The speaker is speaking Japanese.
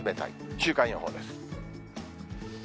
週間予報です。